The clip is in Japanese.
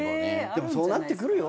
でもそうなってくるよ。